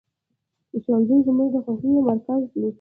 ښوونځی زموږ د خوښیو مرکز دی